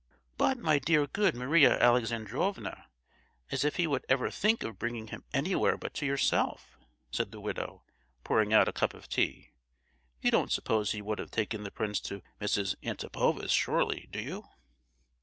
"But, my dear good Maria Alexandrovna—as if he would ever think of bringing him anywhere but to yourself," said the widow, pouring out a cup of tea; "you don't suppose he would have taken the prince to Mrs. Antipova's, surely, do you?"